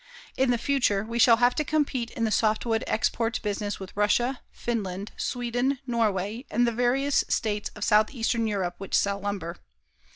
In the future, we shall have to compete in the softwood export business with Russia, Finland, Sweden, Norway and the various states of southeastern Europe which sell lumber.